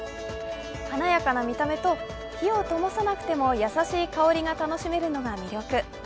華やかな見た目と、火をともさなくても優しい香りが楽しめるのが魅力。